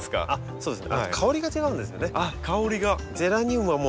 そうですね。